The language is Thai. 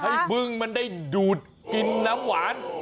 บึงมันได้ดูดกินน้ำหวาน